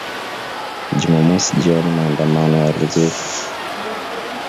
Jumamosi jioni maandamano yalizuka